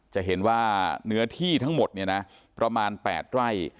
จะเห็นว่าเนื้อที่ทั้งหมดเนี่ยนะประมาณ๘ไร่